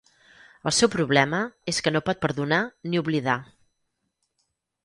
El seu problema és que no pot perdonar ni oblidar